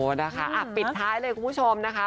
นะคะปิดท้ายเลยคุณผู้ชมนะคะ